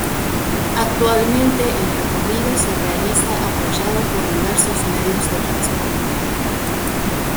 Actualmente el recorrido se realiza apoyado por diversos medios de transporte.